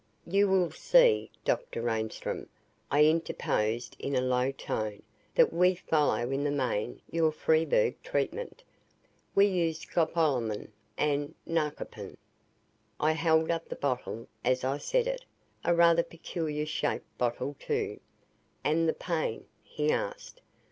"You will see, Dr. Reinstrom." I interposed in a low tone, "that we follow in the main your Freiburg treatment. We use scopolamin and narkophin." I held up the bottle, as I said it, a rather peculiar shaped bottle, too. "And the pain?" he asked.